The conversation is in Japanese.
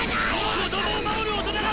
子供を守る大人など！